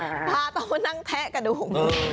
พาต้องมานั่งแทะกระดูก